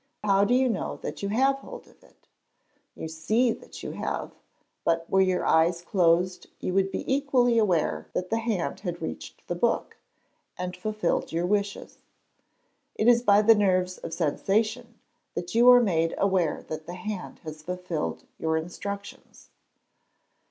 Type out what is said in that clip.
How do you know that you have hold of it? You see that you have: but were your eyes closed, you would be equally aware that the hand had reached the book, and fulfilled your wishes. It is by the nerves of sensation that you are made aware that the hand has fulfilled your instructions.